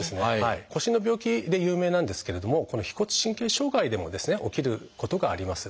腰の病気で有名なんですけれどもこの腓骨神経障害でもですね起きることがあります。